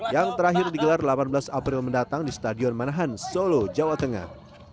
yang terakhir digelar delapan belas april mendatang di stadion manahan solo jawa tengah